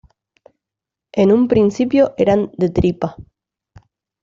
En un principio eran de tripa.